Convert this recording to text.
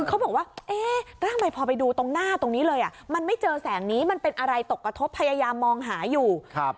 อ่ะมันไม่เจอแสงนี้มันเป็นอะไรตกกระทบพยายามมองหาอยู่ครับ